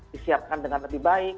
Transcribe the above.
disiapkan dengan lebih baik